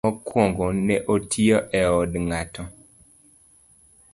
Mokwongo ne otiyo e od ng'ato.